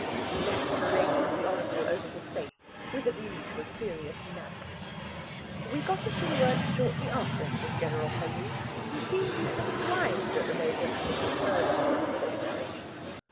We left him arranging the oracle over his face, with a view to a serious nap. We got a few words shortly after with General Pellew, who seemed a little surprised at the Major's having referred to him for information.